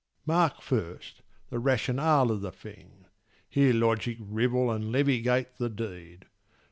Mark first the rationale of the thing: Hear logic rivel and levigate the deed.